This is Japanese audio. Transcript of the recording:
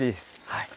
はい。